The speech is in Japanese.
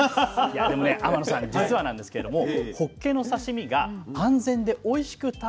いやでもね天野さん実はなんですけれどもほっけの刺身が安全でおいしく食べられる。